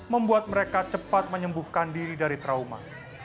membuat mereka cepat menyembuhkan diri dari trauma